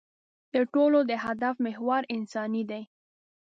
د ټولو د هدف محور انساني دی.